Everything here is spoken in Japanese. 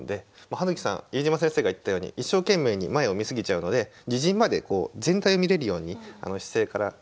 葉月さん飯島先生が言ったように一生懸命に前を見過ぎちゃうので自陣まで全体を見れるように姿勢から変えていくといいかなと思います。